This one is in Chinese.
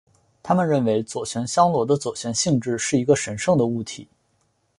他们认为左旋香螺的左旋性质是一个神圣的物体。